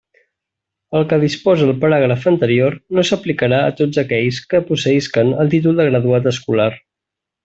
El que disposa el paràgraf anterior no s'aplicarà a tots aquells que posseïsquen el títol de Graduat escolar.